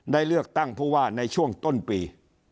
ได้เลือกตั้งผู้ว่าในช่วงต้นปี